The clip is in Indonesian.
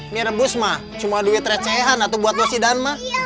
mie rebus mah cuma duit recehan atu buat bos idan mah